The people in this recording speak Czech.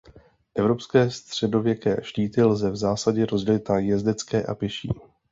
Evropské středověké štíty lze v zásadě rozdělit na jezdecké a pěší.